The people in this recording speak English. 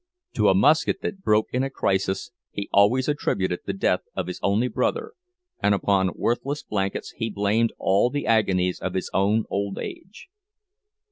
To a musket that broke in a crisis he always attributed the death of his only brother, and upon worthless blankets he blamed all the agonies of his own old age.